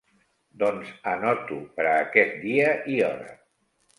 Doncs anoto per a aquest dia i hora.